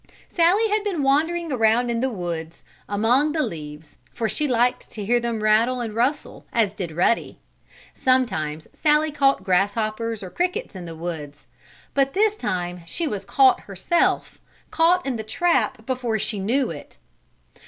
Sallie had been wandering in the woods, among the leaves, for she liked to hear them rattle and rustle, as did Ruddy. Sometimes Sallie caught grasshoppers or crickets in the woods. But this time she was caught herself caught in the trap before she knew it.